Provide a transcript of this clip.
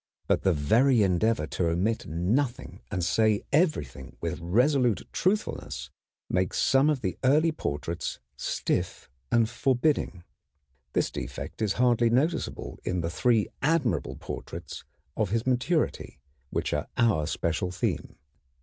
But the very endeavor to omit nothing and say everything with resolute truthfulness makes some of the early portraits stiff and forbidding. This defect is hardly noticeable in the three admirable portraits of his maturity, which are our special theme.